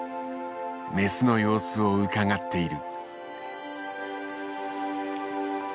メスの様子をうかがっている。